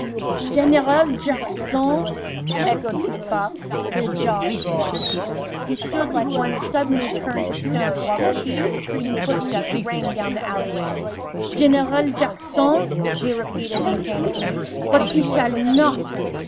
"Gen e ral Jackson!" echoed Piff Paff. His jaws dropped. He stood like one suddenly turned to stone while the chief's retreating footsteps rang down the alleyway. "General Jack son!" he repeated, mechanically. "But he shall not!"